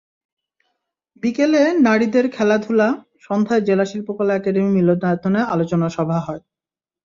বিকেলে নারীদের খেলাধুলা, সন্ধ্যায় জেলা শিল্পকলা একাডেমি মিলনায়তনে আলোচনা সভা হয়।